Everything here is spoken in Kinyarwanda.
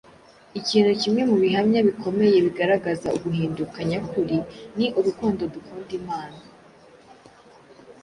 Ikintu kimwe mu bihamya bikomeye bigaragaza uguhinduka nyakuri ni urukundo dukunda Imana